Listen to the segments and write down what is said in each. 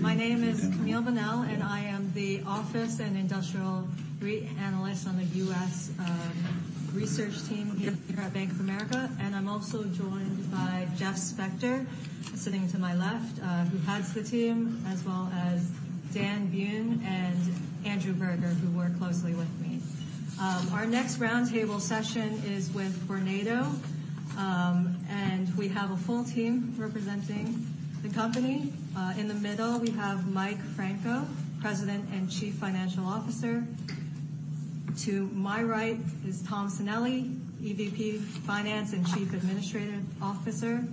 My name is Camille Bonnel, and I am the office and industrial REIT analyst on the U.S. research team here at Bank of America. And I'm also joined by Jeff Spector, sitting to my left, who heads the team, as well as Dan Breen and Andrew Berger, who work closely with me. Our next roundtable session is with Vornado, and we have a full team representing the company. In the middle, we have Mike Franco, President and Chief Financial Officer. To my right is Tom Sanelli, EVP Finance and Chief Administrative Officer.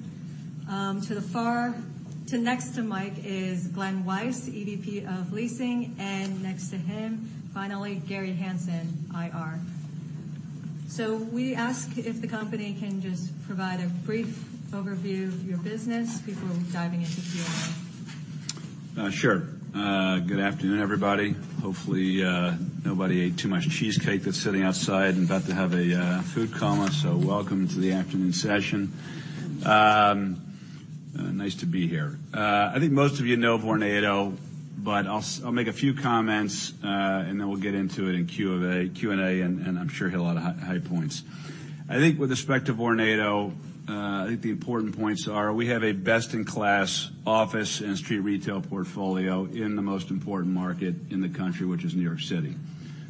Next to Mike is Glen Weiss, EVP of Leasing, and next to him, finally, Gary Hansen, IR. So we ask if the company can just provide a brief overview of your business before diving into Q&A. Sure. Good afternoon, everybody. Hopefully, nobody ate too much cheesecake that's sitting outside and about to have a food coma. So welcome to the afternoon session. Nice to be here. I think most of you know Vornado, but I'll make a few comments, and then we'll get into it in Q&A, and I'm sure hit a lot of high points. I think with respect to Vornado, I think the important points are we have a best-in-class office and street retail portfolio in the most important market in the country, which is New York City.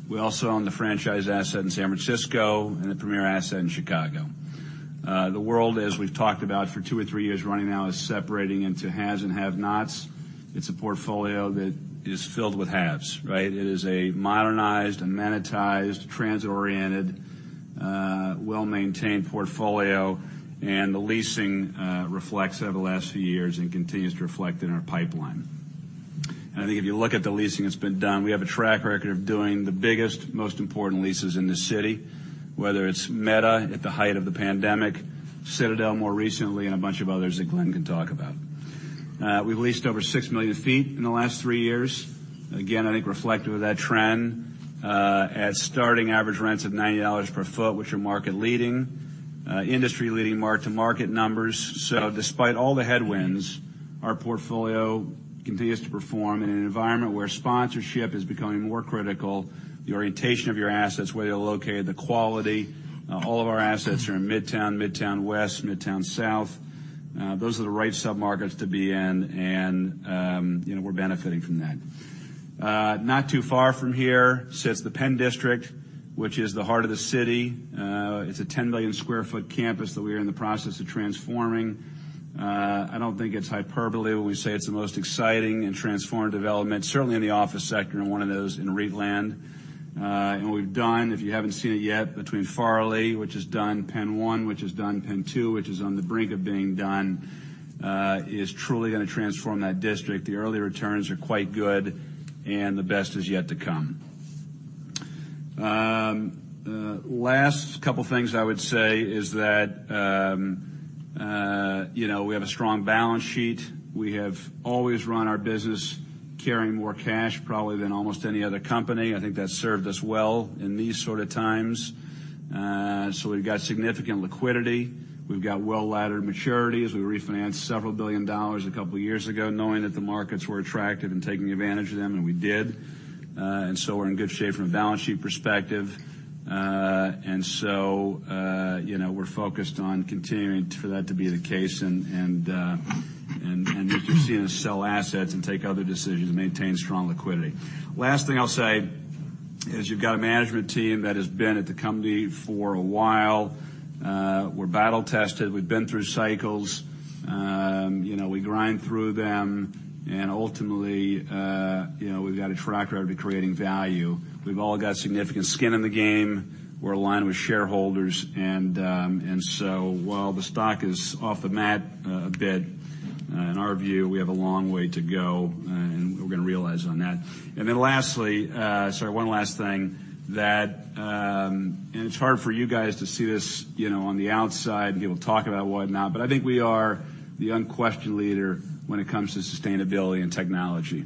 We also own the franchise asset in San Francisco and the premier asset in Chicago. The world, as we've talked about for two or three years running now, is separating into haves and have-nots. It's a portfolio that is filled with haves, right? It is a modernized, amenitized, transit-oriented, well-maintained portfolio, and the leasing reflects over the last few years and continues to reflect in our pipeline. And I think if you look at the leasing that's been done, we have a track record of doing the biggest, most important leases in the city, whether it's Meta at the height of the pandemic, Citadel more recently, and a bunch of others that Glen can talk about. We've leased over 6 million sq ft in the last three years. Again, I think reflective of that trend, at starting average rents of $90 per sq ft, which are market leading, industry-leading mark-to-market numbers. So despite all the headwinds, our portfolio continues to perform in an environment where sponsorship is becoming more critical, the orientation of your assets, where they're located, the quality. All of our assets are in Midtown, Midtown West, Midtown South. Those are the right submarkets to be in, and, you know, we're benefiting from that. Not too far from here sits the Penn District, which is the heart of the city. It's a 10 million sq ft campus that we are in the process of transforming. I don't think it's hyperbole when we say it's the most exciting and transformative development, certainly in the office sector, and one of those in REIT land. And what we've done, if you haven't seen it yet, between Farley, which is done, PENN 1, which is done, PENN 2, which is on the brink of being done, is truly going to transform that district. The early returns are quite good, and the best is yet to come. Last couple things I would say is that, you know, we have a strong balance sheet. We have always run our business carrying more cash probably than almost any other company. I think that's served us well in these sort of times. So we've got significant liquidity. We've got well-laddered maturities. We refinanced $several billion a couple of years ago, knowing that the markets were attractive and taking advantage of them, and we did. And so we're in good shape from a balance sheet perspective. And so, you know, we're focused on continuing for that to be the case and looking to sell assets and take other decisions to maintain strong liquidity. Last thing I'll say is, you've got a management team that has been at the company for a while. We're battle tested. We've been through cycles. You know, we grind through them, and ultimately, you know, we've got a track record of creating value. We've all got significant skin in the game. We're aligned with shareholders, and so while the stock is off the mat a bit, in our view, we have a long way to go, and we're going to realize on that. And then lastly, sorry, one last thing, that and it's hard for you guys to see this, you know, on the outside, and people talk about it and whatnot, but I think we are the unquestioned leader when it comes to sustainability and technology.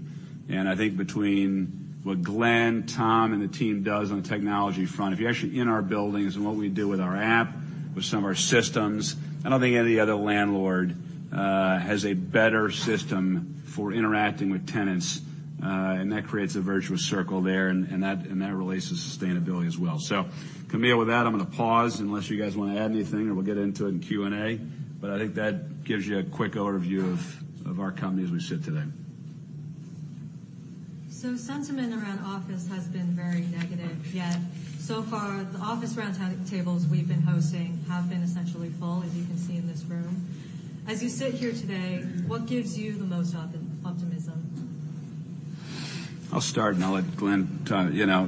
I think between what Glen, Tom, and the team does on the technology front, if you're actually in our buildings and what we do with our app, with some of our systems, I don't think any other landlord has a better system for interacting with tenants. And that creates a virtuous circle there, and that relates to sustainability as well. So Camille, with that, I'm going to pause unless you guys want to add anything, and we'll get into it in Q&A. But I think that gives you a quick overview of our company as we sit today. So sentiment around office has been very negative, yet so far, the office roundtables we've been hosting have been essentially full, as you can see in this room. As you sit here today, what gives you the most optimism? I'll start, and I'll let Glen chime in. You know,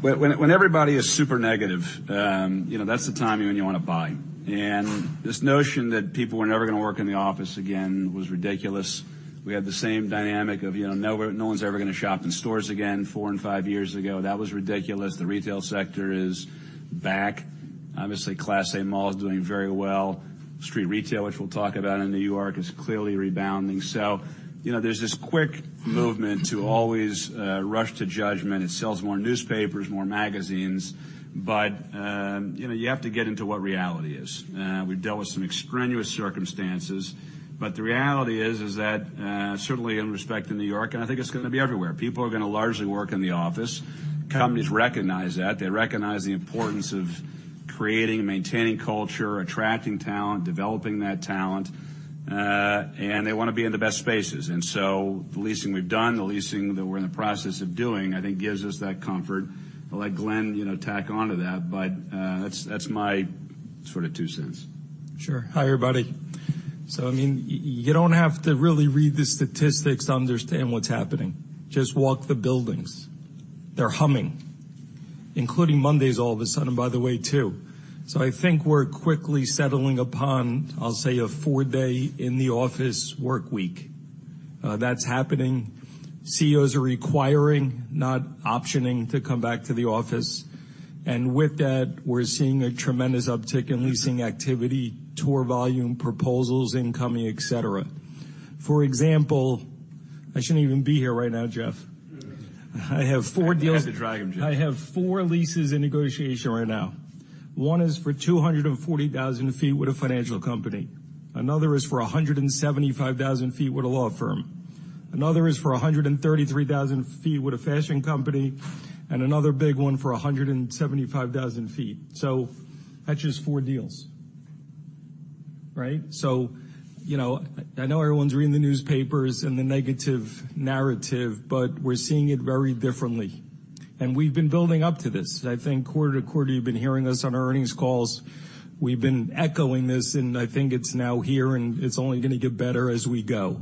when everybody is super negative, you know, that's the time when you want to buy. And this notion that people were never going to work in the office again was ridiculous. We had the same dynamic of, you know, no one, no one's ever going to shop in stores again, four and five years ago. That was ridiculous. The retail sector is back. Obviously, Class A malls are doing very well. Street retail, which we'll talk about in New York, is clearly rebounding. So, you know, there's this quick movement to always rush to judgment. It sells more newspapers, more magazines, but, you know, you have to get into what reality is. We've dealt with some extraneous circumstances, but the reality is that certainly in respect to New York, and I think it's going to be everywhere, people are going to largely work in the office. Companies recognize that. They recognize the importance of creating and maintaining culture, attracting talent, developing that talent, and they want to be in the best spaces. And so the leasing we've done, the leasing that we're in the process of doing, I think gives us that comfort. I'll let Glen, you know, tack onto that, but that's my sort of two cents. Sure. Hi, everybody. So I mean, you don't have to really read the statistics to understand what's happening. Just walk the buildings. They're humming, including Mondays all of a sudden, by the way, too. So I think we're quickly settling upon, I'll say, a four-day in-the-office work week. That's happening. CEOs are requiring, not optioning, to come back to the office, and with that, we're seeing a tremendous uptick in leasing activity, tour volume, proposals, incoming, et cetera. For example, I shouldn't even be here right now, Jeff. I have four deals- I had to drag him, Jeff. I have four leases in negotiation right now. One is for 240,000 feet with a financial company. Another is for 175,000 feet with a law firm. Another is for 133,000 feet with a fashion company, and another big one for 175,000 feet. So that's just four deals, right? So, you know, I know everyone's reading the newspapers and the negative narrative, but we're seeing it very differently, and we've been building up to this. I think quarter to quarter, you've been hearing us on our earnings calls. We've been echoing this, and I think it's now here, and it's only going to get better as we go.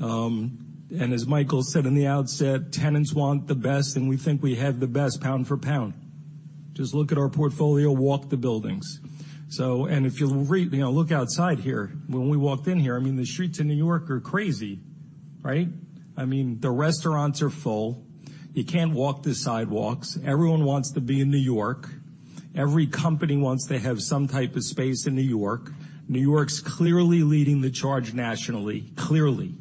And as Michael said in the outset, tenants want the best, and we think we have the best, pound for pound. Just look at our portfolio, walk the buildings. So, and if you, you know, look outside here. When we walked in here, I mean, the streets in New York are crazy, right? I mean, the restaurants are full. You can't walk the sidewalks. Everyone wants to be in New York. Every company wants to have some type of space in New York. New York's clearly leading the charge nationally, clearly.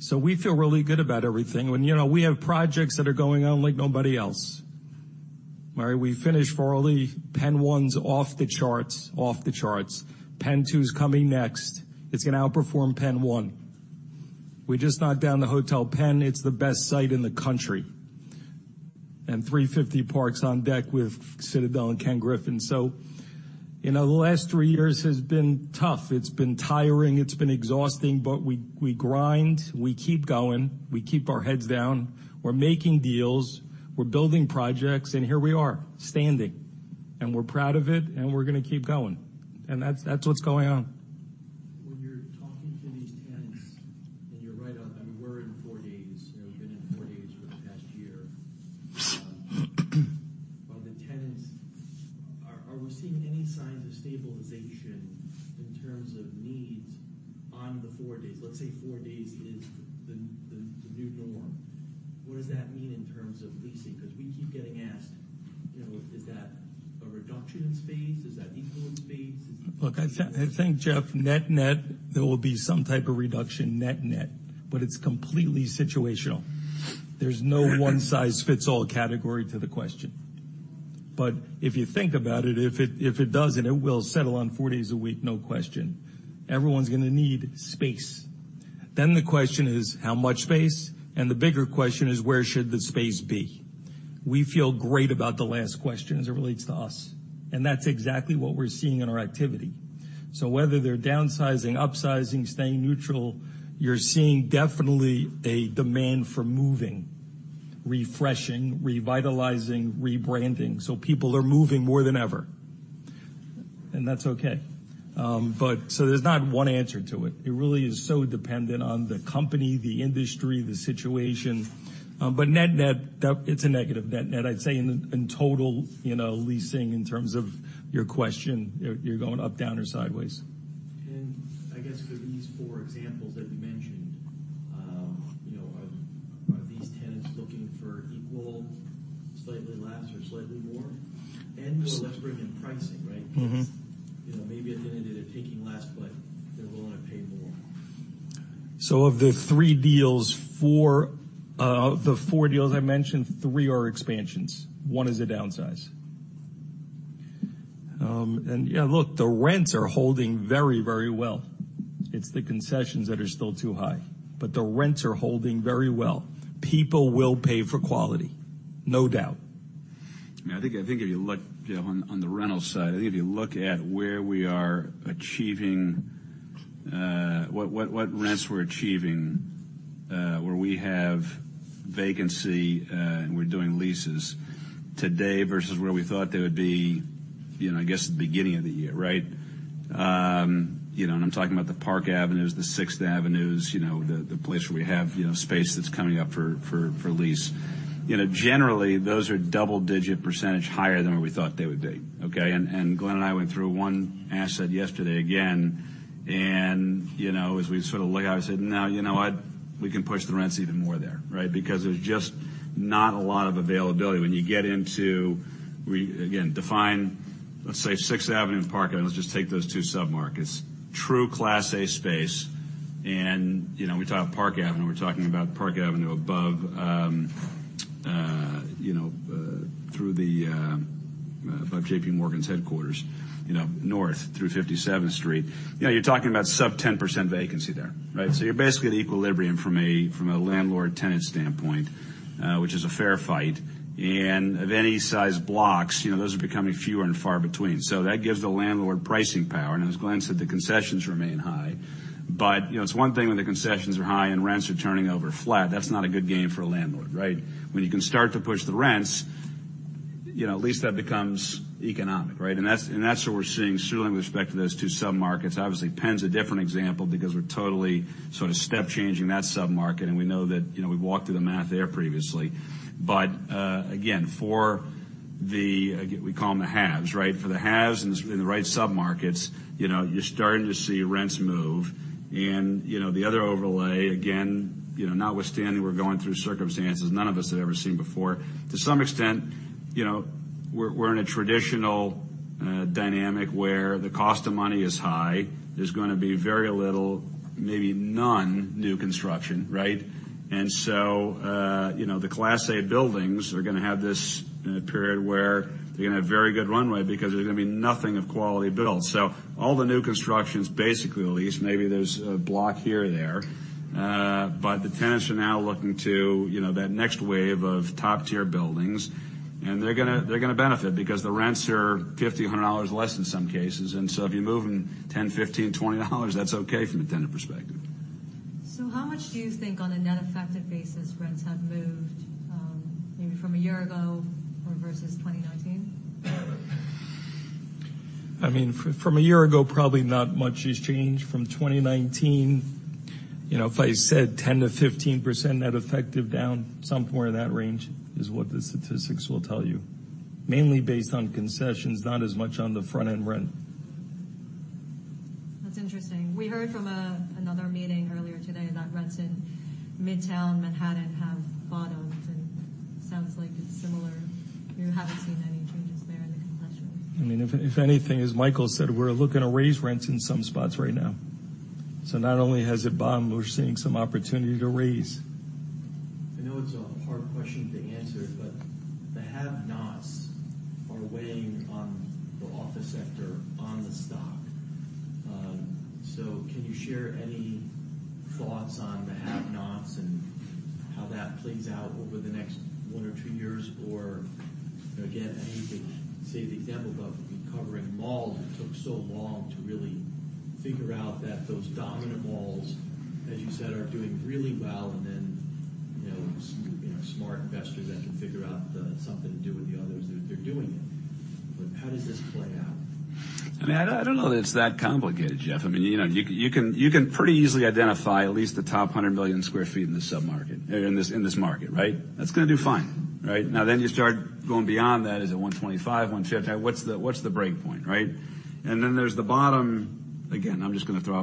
So we feel really good about everything. When, you know, we have projects that are going on like nobody else. All right, we finished Farley, PENN 1's off the charts, off the charts. PENN 2's coming next. It's going to outperform PENN 1. We just knocked down the Hotel Penn. It's the best site in the country. And 350 Park Avenue's on deck with Citadel and Ken Griffin. So, you know, the last thee years has been tough. It's been tiring, it's been exhausting, but we, we grind, we keep going, we keep our heads down. We're making deals, we're building projects, and here we are, standing, and we're proud of it, and we're going to keep going. That's, that's what's going on. When you're talking to these tenants, and you're right on, I mean, we're in 4 days. You know, we've been in 4 days for the past year. Are we seeing any signs of stabilization in terms of needs on the 4 days? Let's say 4 days is the new norm. What does that mean in terms of leasing? Because we keep getting asked, you know, is that a reduction in space? Is that equal in space? Look, I think, Jeff, net-net, there will be some type of reduction, net-net, but it's completely situational. There's no one-size-fits-all category to the question. But if you think about it, if it doesn't, it will settle on four days a week, no question. Everyone's going to need space. Then the question is, how much space? And the bigger question is, where should the space be? We feel great about the last question as it relates to us, and that's exactly what we're seeing in our activity. So whether they're downsizing, upsizing, staying neutral, you're seeing definitely a demand for moving, refreshing, revitalizing, rebranding. So people are moving more than ever. And that's okay. But so there's not one answer to it. It really is so dependent on the company, the industry, the situation. But net-net, that it's a negative net-net. I'd say in total, you know, leasing, in terms of your question, you're going up, down, or sideways. I guess for these four examples that you mentioned, you know, are these tenants looking for equal, slightly less or slightly more? More or less bringing in pricing, right? Mm-hmm. You know, maybe at the end of it, they're taking less, but they're willing to pay more. So of the three deals, four, of the four deals I mentioned, three are expansions. One is a downsize. Yeah, look, the rents are holding very, very well. It's the concessions that are still too high, but the rents are holding very well. People will pay for quality, no doubt. I mean, I think, I think if you look, Jeff, on, on the rental side, I think if you look at where we are achieving what rents we're achieving, where we have vacancy, and we're doing leases today versus where we thought they would be, you know, I guess, at the beginning of the year, right? You know, and I'm talking about the Park Avenues, the Sixth Avenues, you know, the place where we have, you know, space that's coming up for lease. You know, generally, those are double-digit percentage higher than what we thought they would be, okay? And Glen and I went through one asset yesterday again, and, you know, as we sort of look, I said: "No, you know what? We can push the rents even more there," right? Because there's just not a lot of availability. When you get into -- again, define, let's say, Sixth Avenue and Park Avenue. Let's just take those two submarkets. True Class A space, and, you know, we talk Park Avenue, we're talking about Park Avenue above, you know, above JP Morgan's headquarters, you know, north through 57th Street. You know, you're talking about sub-10% vacancy there, right? So you're basically at equilibrium from a, from a landlord-tenant standpoint, which is a fair fight. And of any size blocks, you know, those are becoming fewer and far between. So that gives the landlord pricing power, and as Glenn said, the concessions remain high. But, you know, it's one thing when the concessions are high and rents are turning over flat. That's not a good game for a landlord, right? When you can start to push the rents, you know, at least that becomes economic, right? And that's, and that's what we're seeing certainly with respect to those two submarkets. Obviously, Penn's a different example because we're totally sort of step changing that submarket, and we know that, you know, we've walked through the math there previously. But, again, for the, we call them the haves, right? For the haves in the, in the right submarkets, you know, you're starting to see rents move. And, you know, the other overlay, again, you know, notwithstanding, we're going through circumstances none of us have ever seen before. To some extent, you know, we're, we're in a traditional, dynamic where the cost of money is high. There's gonna be very little, maybe none, new construction, right? And so, you know, the Class A buildings are gonna have this, in a period where they're going to have very good runway because there's going to be nothing of quality built. So all the new construction is basically leased. Maybe there's a block here or there, but the tenants are now looking to, you know, that next wave of top-tier buildings, and they're gonna, they're gonna benefit because the rents are $50-$100 less in some cases. And so if you're moving $10, $15, $20, that's okay from a tenant perspective. How much do you think on a net effective basis, rents have moved, maybe from a year ago or versus 2019? I mean, from a year ago, probably not much has changed. From 2019, you know, if I said 10%-15%, net effective down, somewhere in that range is what the statistics will tell you. Mainly based on concessions, not as much on the front-end rent. That's interesting. We heard from another meeting earlier today that rents in Midtown Manhattan have bottomed, and it sounds like it's similar. You haven't seen any changes there in the concessions? I mean, if anything, as Michael said, we're looking to raise rents in some spots right now. So not only has it bottomed, we're seeing some opportunity to raise. I know it's a hard question to answer, but the have-nots are weighing on the office sector, on the stock. So can you share any thoughts on the have-nots and how that plays out over the next one or two years? Or, again, anything, say, the example of the recovering mall, it took so long to really figure out that those dominant malls, as you said, are doing really well. And then, you know, smart investors that can figure out the something to do with the others, they're doing it. But how does this play out? I mean, I don't, I don't know that it's that complicated, Jeff. I mean, you know, you can, you can pretty easily identify at least the top 100 million sq ft in this submarket, in this, in this market, right? That's gonna do fine, right? Now, then you start going beyond that. Is it 125, 150? What's the, what's the break point, right? And then there's the bottom... Again, I'm just gonna throw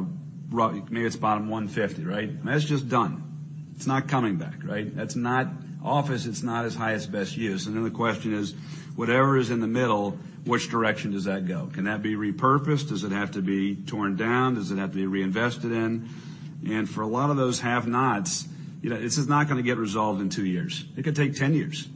out, maybe it's bottom 150, right? And that's just done. It's not coming back, right? That's not office. It's not its highest, best use. And then the question is, whatever is in the middle, which direction does that go? Can that be repurposed? Does it have to be torn down? Does it have to be reinvested in? For a lot of those have-nots, you know, this is not gonna get resolved in two years. It could take 10 years.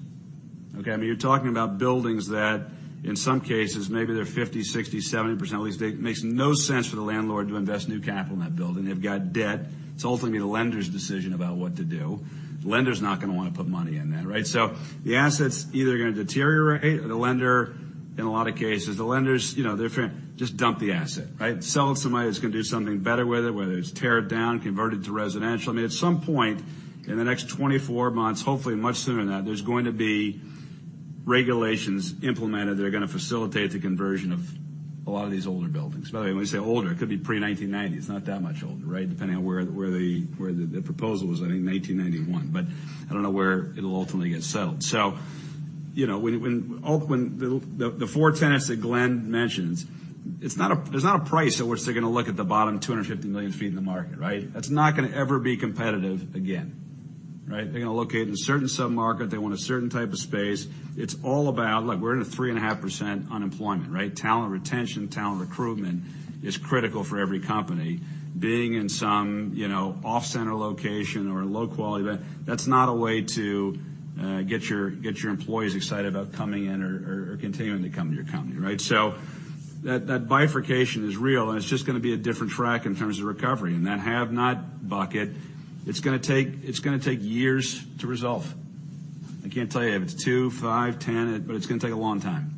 Okay, I mean, you're talking about buildings that, in some cases, maybe they're 50%, 60%, 70% leased. It makes no sense for the landlord to invest new capital in that building. They've got debt. It's ultimately the lender's decision about what to do. The lender's not gonna want to put money in that, right? So the asset's either gonna deteriorate or the lender, in a lot of cases, the lenders, you know, they're just dump the asset, right? Sell it to somebody that's going to do something better with it, whether it's tear it down, convert it to residential. I mean, at some point in the next 24 months, hopefully much sooner than that, there's going to be regulations implemented that are gonna facilitate the conversion of a lot of these older buildings. By the way, when we say older, it could be pre-1990. It's not that much older, right? Depending on where the proposal was, I think in 1991, but I don't know where it'll ultimately get settled. So, you know, when the four tenants that Glen mentions, it's not a price at which they're gonna look at the bottom 250 million sq ft in the market, right? That's not gonna ever be competitive again, right? They're gonna locate in a certain submarket. They want a certain type of space. It's all about, like, we're in a 3.5% unemployment, right? Talent retention, talent recruitment is critical for every company. Being in some, you know, off-center location or low quality, that's not a way to get your, get your employees excited about coming in or, or continuing to come to your company, right? So that, that bifurcation is real, and it's just gonna be a different track in terms of recovery. And that have-not bucket, it's gonna take, it's gonna take years to resolve. I can't tell you if it's two, five, 10, but it's gonna take a long time.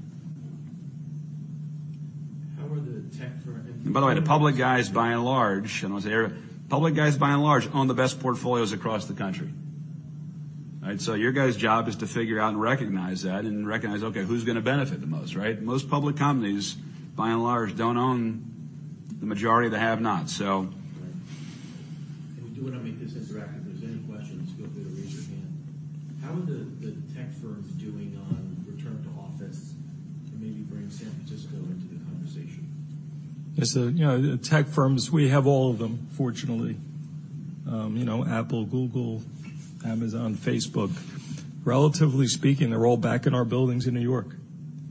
How are the tech or- And by the way, the public guys, by and large, and I'll say public guys, by and large, own the best portfolios across the country. Right? So your guys' job is to figure out and recognize that and recognize, okay, who's going to benefit the most, right? Most public companies, by and large, don't own the majority of the have-nots, so. Right. And we do want to make this interactive. If there's any questions, feel free to raise your hand. How are the tech firms doing on return to office, and maybe bring San Francisco into the conversation? Yes, so, you know, the tech firms, we have all of them, fortunately. You know, Apple, Google, Amazon, Facebook. Relatively speaking, they're all back in our buildings in New York.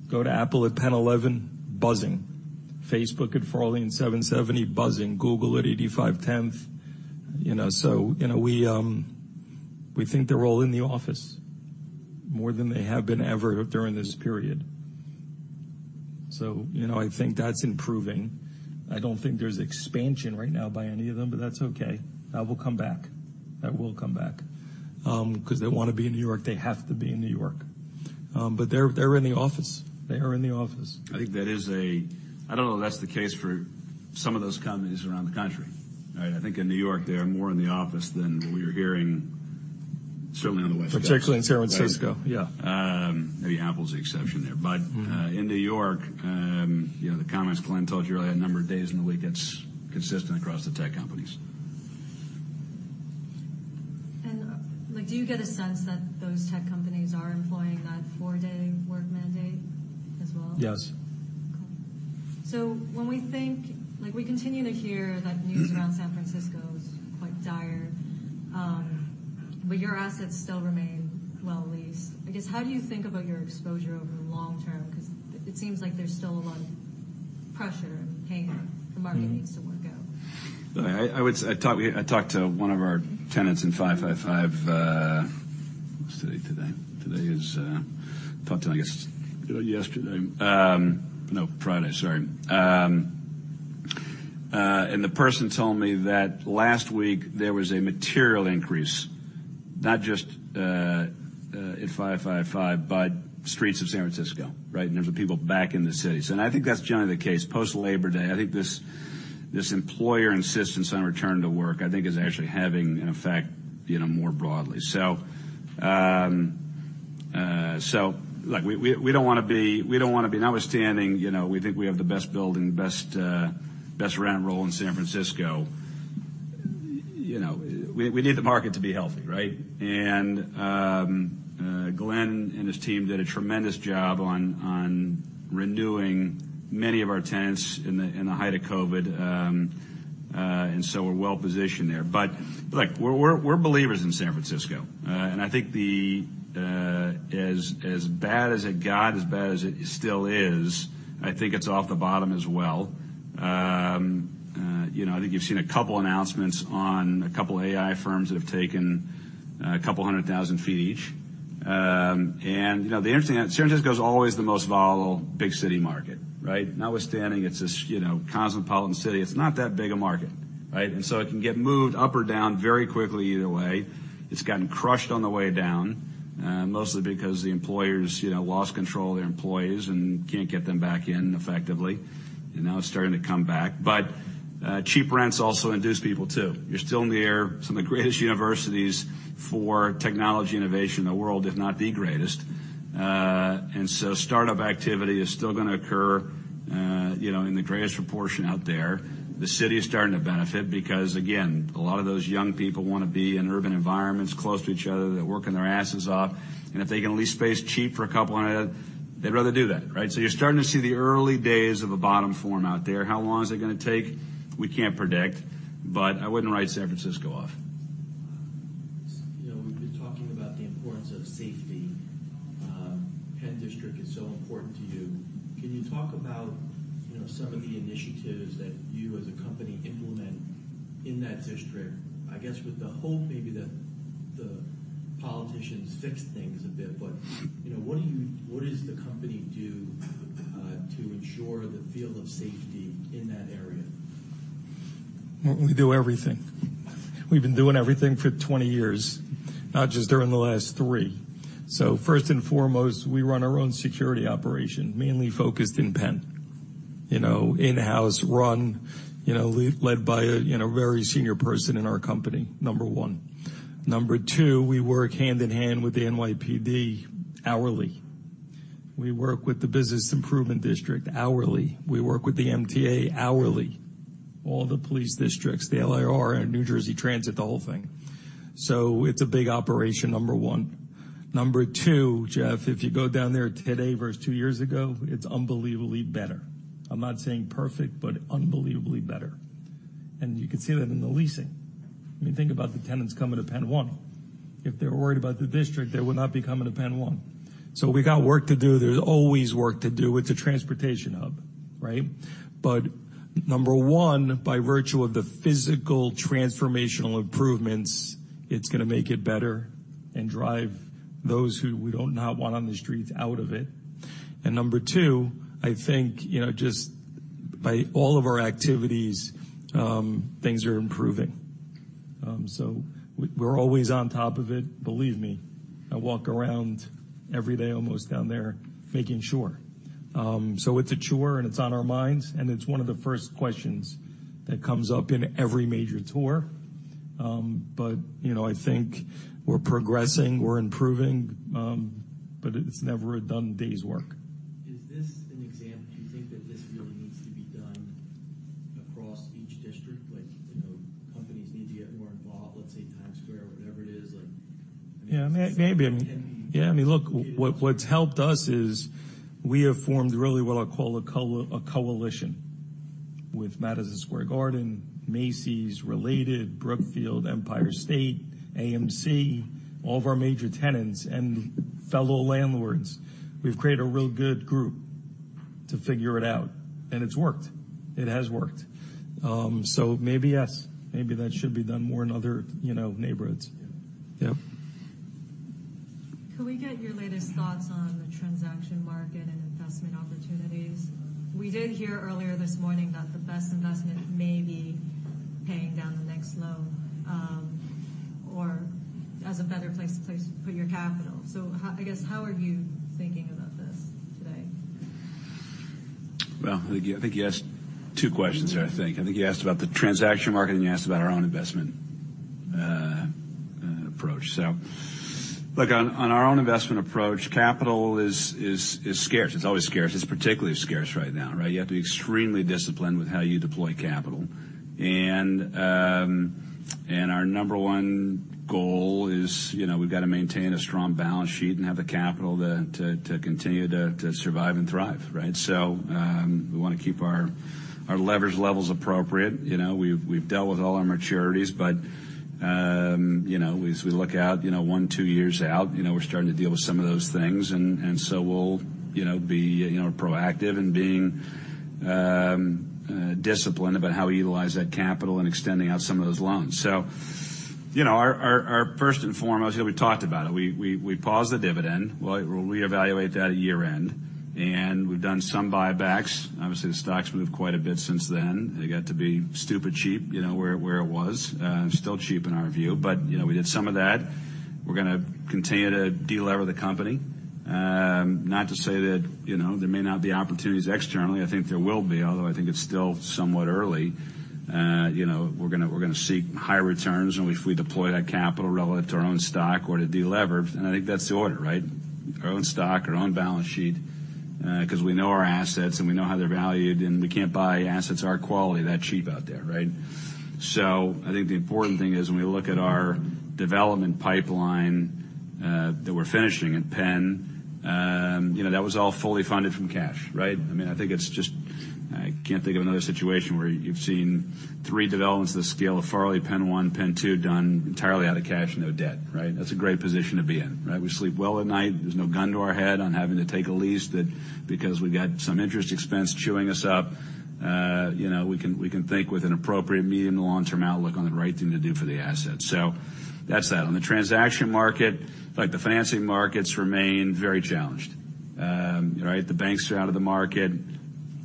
Go to Apple at PENN 11, buzzing. Facebook at the Farley, buzzing. Google at 85 Tenth Avenue, you know, so, you know, we. We think they're all in the office more than they have been ever during this period. So, you know, I think that's improving. I don't think there's expansion right now by any of them, but that's okay. That will come back. That will come back, because they want to be in New York. They have to be in New York. But they're, they're in the office. They are in the office. I think that is. I don't know if that's the case for some of those companies around the country, right? I think in New York, they are more in the office than what we are hearing, certainly on the West Coast. Particularly in San Francisco, yeah. Maybe Apple's the exception there. Mm-hmm. But, in New York, you know, the comments Glen told you earlier, that number of days in the week, it's consistent across the tech companies. And, like, do you get a sense that those tech companies are employing that four-day work mandate as well? Yes. Cool. So when we think—like, we continue to hear that news around San Francisco is quite dire, but your assets still remain well leased. I guess, how do you think about your exposure over the long term? Because it, it seems like there's still a lot of pressure and pain in the market needs to work out. I talked to one of our tenants in 555, what's today? Today is, talked to him, I guess- Yesterday. No, Friday. Sorry. And the person told me that last week there was a material increase, not just at 555, but streets of San Francisco, right? And there's the people back in the cities. And I think that's generally the case. Post-Labor Day, I think this employer insistence on return to work, I think, is actually having an effect, you know, more broadly. So, like, we don't want to be notwithstanding, you know, we think we have the best building, the best rent roll in San Francisco. You know, we need the market to be healthy, right? Glen and his team did a tremendous job on renewing many of our tenants in the height of COVID, and so we're well positioned there. But, look, we're believers in San Francisco, and I think as bad as it got, as bad as it still is, I think it's off the bottom as well. You know, I think you've seen a couple announcements on a couple of AI firms that have taken a couple hundred thousand feet each. And, you know, the interesting thing, San Francisco is always the most volatile big city market, right? Notwithstanding, it's this, you know, cosmopolitan city. It's not that big a market, right? And so it can get moved up or down very quickly either way. It's gotten crushed on the way down, mostly because the employers, you know, lost control of their employees and can't get them back in effectively, and now it's starting to come back. But cheap rents also induce people, too. You're still near some of the greatest universities for technology innovation in the world, if not the greatest. And so startup activity is still going to occur, you know, in the greatest proportion out there. The city is starting to benefit because, again, a lot of those young people want to be in urban environments close to each other. They're working their asses off, and if they can lease space cheap for a couple hundred, they'd rather do that, right? So you're starting to see the early days of a bottom form out there. How long is it going to take? We can't predict, but I wouldn't write San Francisco off. You know, you're talking about the importance of safety. Penn District is so important to you. Can you talk about, you know, some of the initiatives that you, as a company, implement in that district? I guess, with the hope maybe that the politicians fix things a bit, but, you know, what does the company do to ensure the feel of safety in that area? We do everything. We've been doing everything for 20 years, not just during the last 3. So first and foremost, we run our own security operation, mainly focused in Penn. You know, in-house run, you know, led by a, you know, very senior person in our company, number one. Number two, we work hand in hand with the NYPD hourly. We work with the Business Improvement District hourly. We work with the MTA hourly, all the police districts, the LIRR and New Jersey Transit, the whole thing. So it's a big operation, number one. Number two, Jeff, if you go down there today versus 2 years ago, it's unbelievably better. I'm not saying perfect, but unbelievably better. And you can see that in the leasing. I mean, think about the tenants coming to Penn One. If they were worried about the district, they would not be coming to PENN 1. So we got work to do. There's always work to do. It's a transportation hub, right? But number one, by virtue of the physical transformational improvements, it's going to make it better and drive those who we don't not want on the streets out of it. And number two, I think, you know, just by all of our activities, things are improving. So we're always on top of it. Believe me, I walk around every day, almost down there, making sure. So it's a chore, and it's on our minds, and it's one of the first questions that comes up in every major tour. But, you know, I think we're progressing, we're improving, but it's never a done day's work. Is this an example, do you think that this really needs to be done across each district? Like, you know, companies need to get more involved, let's say, Times Square or whatever it is, like- Yeah, maybe. I mean- Yeah. Yeah. I mean, look, what, what's helped us is we have formed really what I call a coalition with Madison Square Garden, Macy's, Related, Brookfield, Empire State, AMC, all of our major tenants and fellow landlords. We've created a real good group. To figure it out, and it's worked. It has worked. So maybe, yes, maybe that should be done more in other, you know, neighborhoods. Yep. Can we get your latest thoughts on the transaction market and investment opportunities? We did hear earlier this morning that the best investment may be paying down the next loan, or as a better place to put your capital. So, I guess, how are you thinking about this today? Well, I think, I think you asked two questions there, I think. I think you asked about the transaction market, and you asked about our own investment approach. So, look, on, on our own investment approach, capital is scarce. It's always scarce. It's particularly scarce right now, right? You have to be extremely disciplined with how you deploy capital. And, and our number 1 goal is, you know, we've got to maintain a strong balance sheet and have the capital to continue to survive and thrive, right? So, we want to keep our leverage levels appropriate. You know, we've dealt with all our maturities, but, you know, as we look out, you know, one, two years out, you know, we're starting to deal with some of those things. So we'll, you know, be, you know, proactive in being disciplined about how we utilize that capital and extending out some of those loans. So, you know, our first and foremost, we talked about it. We paused the dividend. We'll reevaluate that at year-end, and we've done some buybacks. Obviously, the stock's moved quite a bit since then. It got to be stupid cheap, you know, where it was, still cheap in our view. But, you know, we did some of that. We're gonna continue to delever the company. Not to say that, you know, there may not be opportunities externally. I think there will be, although I think it's still somewhat early. You know, we're gonna seek higher returns, and if we deploy that capital relative to our own stock or to delever, and I think that's the order, right? Our own stock, our own balance sheet, because we know our assets, and we know how they're valued, and we can't buy assets our quality that cheap out there, right? So I think the important thing is, when we look at our development pipeline, that we're finishing in PENN, you know, that was all fully funded from cash, right? I mean, I think it's just... I can't think of another situation where you've seen three developments, the scale of Farley, PENN 1, PENN 2, done entirely out of cash, no debt, right? That's a great position to be in, right? We sleep well at night. There's no gun to our head on having to take a lease that because we've got some interest expense chewing us up, you know, we can, we can think with an appropriate medium- and long-term outlook on the right thing to do for the asset. So that's that. On the transaction market, like, the financing markets remain very challenged. Right? The banks are out of the market.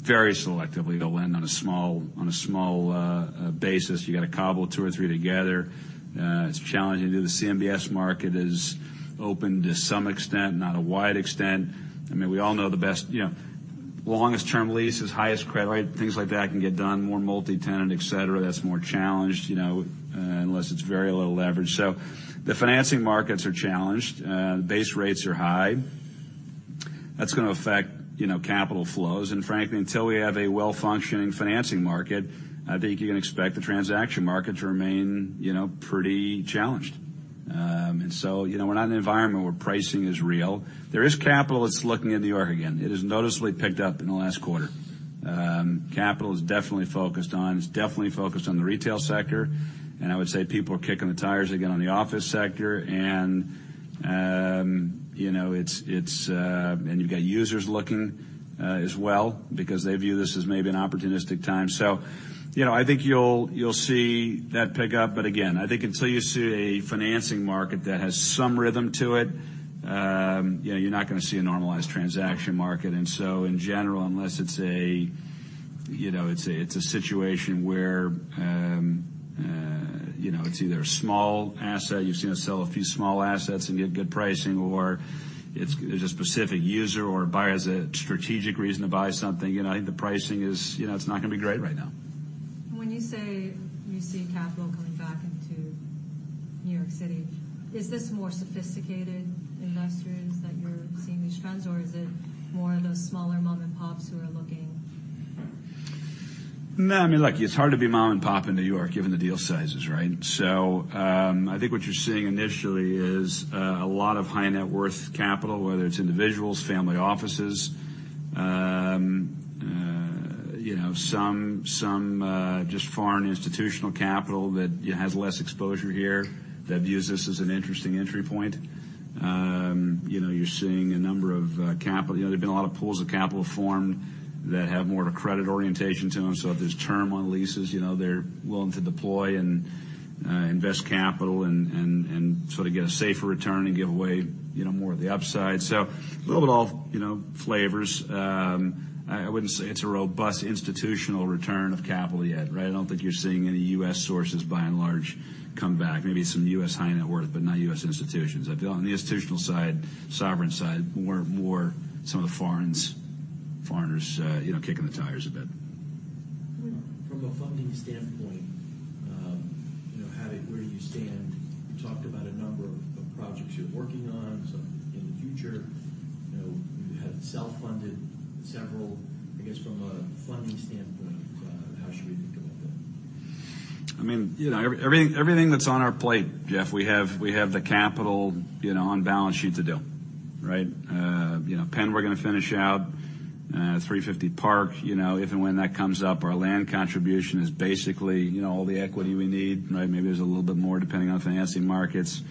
Very selectively, they'll lend on a small, on a small, basis. You got to cobble two or three together. It's challenging to do. The CMBS market is open to some extent, not a wide extent. I mean, we all know the best, you know, longest term leases, highest credit, right, things like that can get done, more multi-tenant, et cetera. That's more challenged, you know, unless it's very little leverage. So the financing markets are challenged. Base rates are high. That's gonna affect, you know, capital flows. And frankly, until we have a well-functioning financing market, I think you can expect the transaction market to remain, you know, pretty challenged. And so, you know, we're not in an environment where pricing is real. There is capital that's looking at New York again. It has noticeably picked up in the last quarter. Capital is definitely focused on; it's definitely focused on the retail sector, and I would say people are kicking the tires again on the office sector. And you've got users looking as well, because they view this as maybe an opportunistic time. So, you know, I think you'll see that pick up. But again, I think until you see a financing market that has some rhythm to it, you know, you're not gonna see a normalized transaction market. And so in general, unless it's a situation where, you know, it's either a small asset, you've seen us sell a few small assets and get good pricing, or there's a specific user or buyer has a strategic reason to buy something, you know, I think the pricing is, you know, it's not gonna be great right now. When you say you see capital coming back into New York City, is this more sophisticated investors that you're seeing these trends, or is it more of those smaller mom and pops who are looking? No, I mean, look, it's hard to be mom and pop in New York, given the deal sizes, right? So, I think what you're seeing initially is a lot of high-net-worth capital, whether it's individuals, family offices, you know, some just foreign institutional capital that, you know, has less exposure here, that views this as an interesting entry point. You know, you're seeing a number of. You know, there have been a lot of pools of capital formed that have more of a credit orientation to them. So if there's term on leases, you know, they're willing to deploy and invest capital and sort of get a safer return and give away, you know, more of the upside. So a little bit of all, you know, flavors. I wouldn't say it's a robust institutional return of capital yet, right? I don't think you're seeing any U.S. sources, by and large, come back. Maybe some U.S. high net worth, but not U.S. institutions. On the institutional side, sovereign side, more some of the foreigns, foreigners, you know, kicking the tires a bit. From a funding standpoint, you know, where do you stand? You talked about a number of projects you're working on, some in the future. You know, you have self-funded several. I guess, from a funding standpoint, how should we think about that? I mean, you know, everything that's on our plate, Jeff, we have the capital, you know, on balance sheet to do. You know, Penn, we're gonna finish out 350 Park, you know, if and when that comes up, our land contribution is basically, you know, all the equity we need, right? Maybe there's a little bit more, depending on financing markets.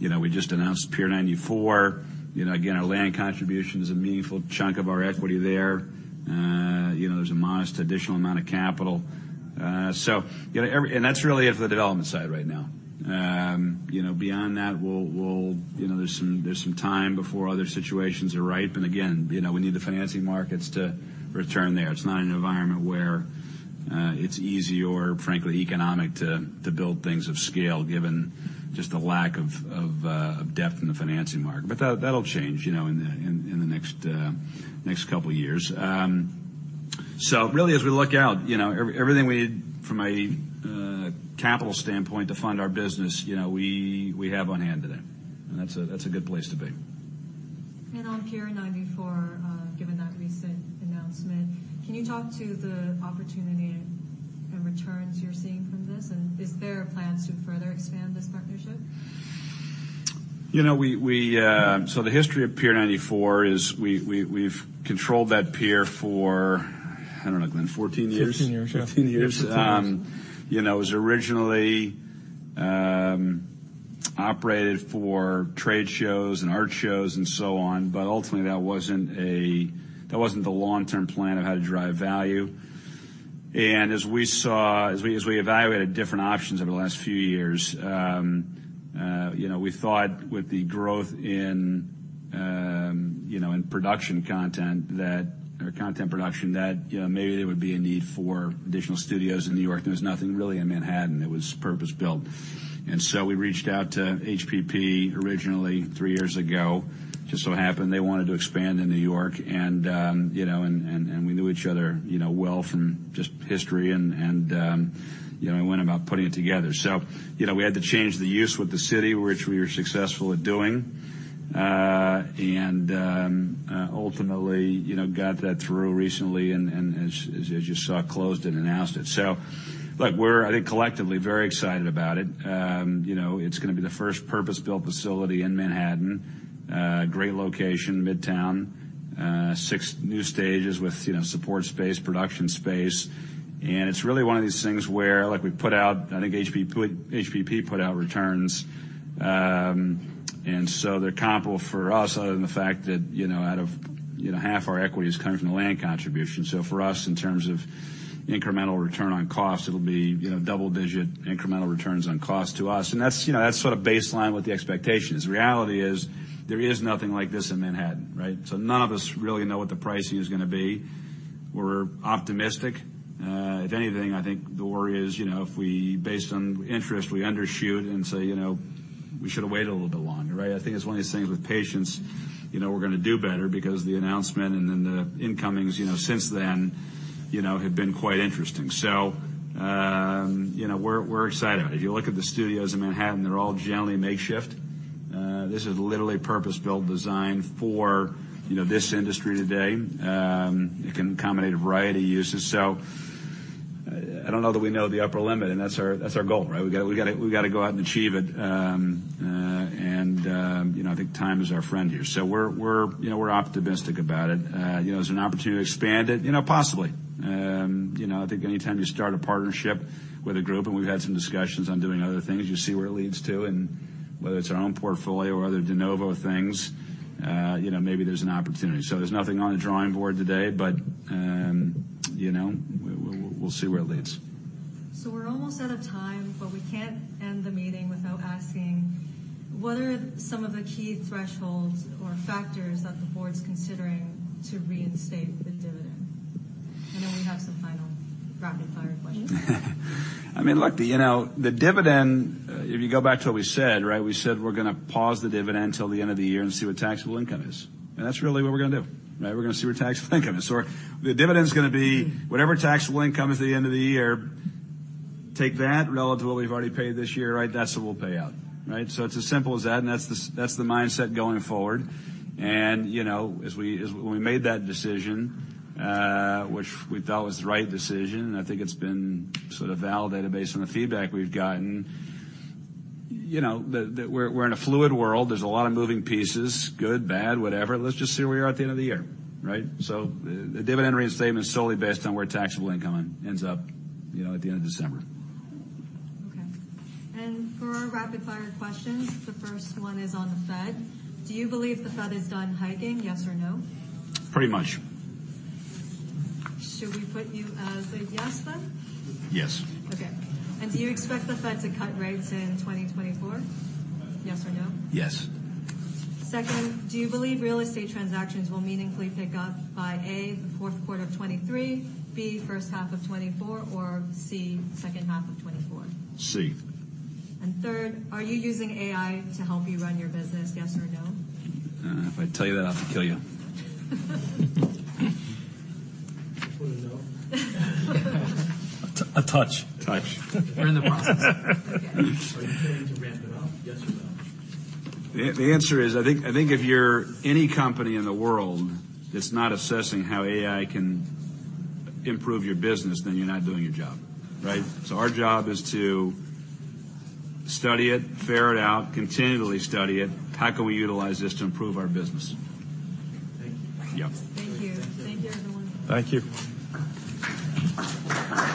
You know, we just announced Pier 94. You know, again, our land contribution is a meaningful chunk of our equity there. You know, there's a modest additional amount of capital. So, you know, and that's really it for the development side right now. You know, beyond that, we'll, you know, there's some time before other situations are ripe. And again, you know, we need the financing markets to return there. It's not an environment where it's easy or frankly, economical to build things of scale, given just the lack of depth in the financing market. But that, that'll change, you know, in the next couple of years. So really, as we look out, you know, everything we need from a capital standpoint to fund our business, you know, we have on hand today, and that's a good place to be. On Pier 94, given that recent announcement, can you talk to the opportunity and returns you're seeing from this? Is there plans to further expand this partnership? You know, so the history of Pier 94 is we've controlled that pier for, I don't know, Glen, 14 years? Fifteen years. 15 years. You know, it was originally operated for trade shows and art shows and so on, but ultimately, that wasn't a-- that wasn't the long-term plan of how to drive value. And as we saw, as we, as we evaluated different options over the last few years, you know, we thought with the growth in, you know, in production content, that or content production, that, you know, maybe there would be a need for additional studios in New York. There was nothing really in Manhattan. It was purpose-built. And so we reached out to HPP originally three years ago. Just so happened they wanted to expand in New York and, you know, and, and, and we knew each other, you know, well from just history and, and, you know, we went about putting it together. So, you know, we had to change the use with the city, which we were successful at doing. And ultimately, you know, got that through recently and as you saw, closed it and announced it. So look, we're, I think, collectively very excited about it. You know, it's gonna be the first purpose-built facility in Manhattan. Great location, Midtown, six new stages with, you know, support space, production space. And it's really one of these things where, like we put out, I think HPP put out returns. And so they're comparable for us, other than the fact that, you know, out of, you know, half our equity is coming from the land contribution. So for us, in terms of incremental return on cost, it'll be, you know, double digit incremental returns on cost to us. That's, you know, that's sort of baseline what the expectation is. The reality is there is nothing like this in Manhattan, right? So none of us really know what the pricing is gonna be. We're optimistic. If anything, I think the worry is, you know, if we, based on interest, we undershoot and say, you know, "We should have waited a little bit longer," right? I think it's one of those things with patience, you know, we're gonna do better because the announcement and then the incomings, you know, since then, you know, have been quite interesting. So, you know, we're, we're excited about it. If you look at the studios in Manhattan, they're all generally makeshift. This is literally purpose-built, designed for, you know, this industry today. It can accommodate a variety of uses. So I don't know that we know the upper limit, and that's our goal, right? We gotta go out and achieve it. You know, I think time is our friend here. So we're, you know, we're optimistic about it. You know, there's an opportunity to expand it, you know, possibly. You know, I think anytime you start a partnership with a group, and we've had some discussions on doing other things, you see where it leads to, and whether it's our own portfolio or other de novo things, you know, maybe there's an opportunity. So there's nothing on the drawing board today, but, you know, we'll see where it leads. So we're almost out of time, but we can't end the meeting without asking: What are some of the key thresholds or factors that the board's considering to reinstate the dividend? And then we have some final rapid-fire questions. I mean, look, you know, the dividend, if you go back to what we said, right? We said, we're gonna pause the dividend till the end of the year and see what taxable income is. And that's really what we're gonna do, right? We're gonna see where taxable income is. So the dividend is gonna be whatever taxable income is at the end of the year, take that relative to what we've already paid this year, right? That's what we'll pay out, right? So it's as simple as that, and that's the mindset going forward. And, you know, as we made that decision, which we thought was the right decision, and I think it's been sort of validated based on the feedback we've gotten. You know, we're in a fluid world. There's a lot of moving pieces, good, bad, whatever. Let's just see where we are at the end of the year, right? So the dividend reinstatement is solely based on where taxable income ends up, you know, at the end of December. Okay. For our rapid-fire questions, the first one is on the Fed. Do you believe the Fed is done hiking, yes or no? Pretty much. Should we put you as a yes, then? Yes. Okay. Do you expect the Fed to cut rates in 2024, yes or no? Yes. Second, do you believe real estate transactions will meaningfully pick up by, A, the fourth quarter of 2023, B, first half of 2024, or, C, second half of 2024? C. Third, are you using AI to help you run your business, yes or no? If I tell you that, I have to kill you. Put a no. A touch. Touch. We're in the process. Are you planning to ramp it up, yes or no? The answer is, I think, I think if you're any company in the world that's not assessing how AI can improve your business, then you're not doing your job, right? So our job is to study it, figure it out, continually study it. How can we utilize this to improve our business? Thank you. Yeah. Thank you. Thank you, everyone. Thank you.